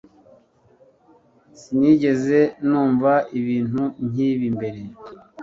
sinigeze numva ibintu nk'ibi mbere